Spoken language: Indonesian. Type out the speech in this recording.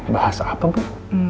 bahas apa bu